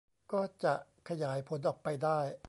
ก็จะขยายผลออกไปได้